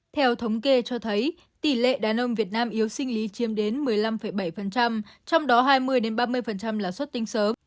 theo thống kê cho thấy tỷ lệ đàn ông việt nam yếu sinh lý chiếm đến một mươi năm bảy trong đó hai mươi ba mươi là xuất tinh sớm